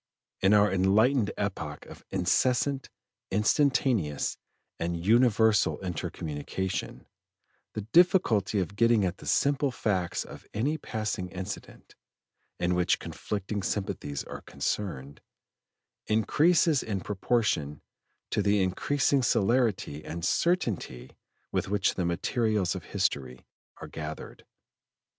In our enlightened epoch of incessant, instantaneous, and universal inter communication, the difficulty of getting at the simple facts of any passing incident, in which conflicting sympathies are concerned, increases in proportion to the increasing celerity and certainty with which the materials of history are gathered.